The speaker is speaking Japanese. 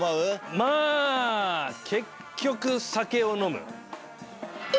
まあ結局酒を飲む。